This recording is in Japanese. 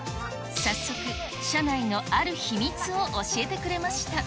早速、社内のある秘密を教えてくれました。